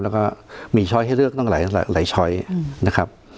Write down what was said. แล้วก็มีช้อยให้เลือกตั้งหลายช้อยนะครับ